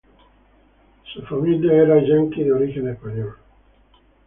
Su familia era estadounidense de origen español.